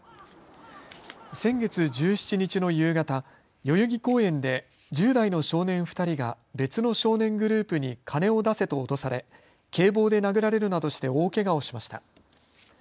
先月１７日の夕方、代々木公園で１０代の少年２人が別の少年グループに金を出せと脅され、警棒で殴られるなどして大けがをしました。